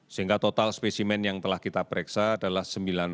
sehingga total spesimen yang telah kita pereksa adalah